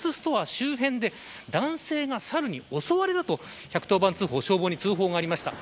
周辺で男性がサルに襲われたと１１０番通報消防に通報がありました。